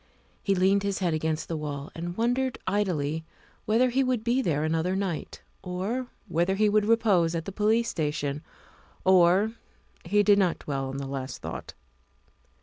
He leaned his head against the wall and wondered idly whether he would be there another night, or whether he wold repose at the police station, or He did not dwell on the last thought.